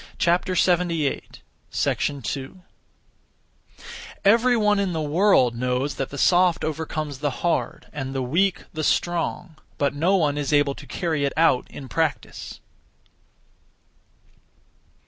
Every one in the world knows that the soft overcomes the hard, and the weak the strong, but no one is able to carry it out in practice.